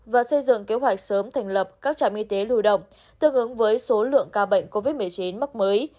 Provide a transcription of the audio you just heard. và xây dựng kế hoạch sớm thành lập các trạm y tế lưu động tương ứng với số lượng ca bệnh covid một mươi chín mắc mới